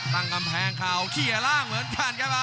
ต่างแพงเขา